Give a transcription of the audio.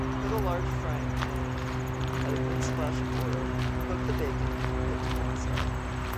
Put a large frying pan on the heat, add a good splash of oil, cook the bacon and put to one side.